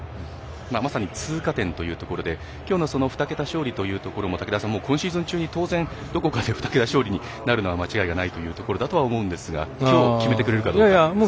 まさに通過点というところできょうの２桁勝利というところも当然どこかで２桁勝利になるのは間違いないというところだと思うんですがきょう決めてくれるかどうかですよね。